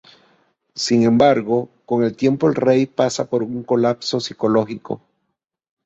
Sin embargo, con el tiempo el rey pasa por un colapso psicológico.